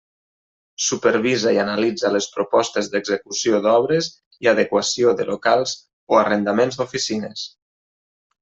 Supervisa i analitza les propostes d'execució d'obres i adequació de locals o arrendaments d'oficines.